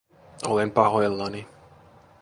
Olen pahoillani